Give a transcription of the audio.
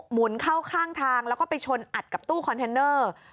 หุนเข้าข้างทางแล้วก็ไปชนอัดกับตู้คอนเทนเนอร์